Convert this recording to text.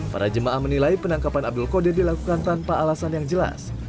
para jemaah menilai penangkapan abdul qadir dilakukan tanpa alasan yang jelas